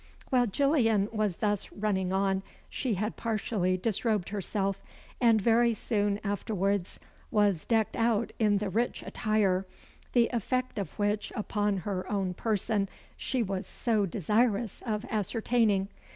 While Gillian was thus running on, she had partially disrobed herself, and very soon afterwards was decked out in the rich attire, the effect of which upon her own person she was so desirous of ascertaining.